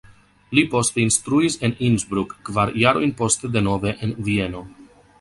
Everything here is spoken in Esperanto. Li poste instruis en Innsbruck, kvar jarojn poste denove en Vieno.